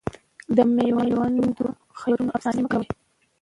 د میوندونو خیبرونو افسانې مه لیکه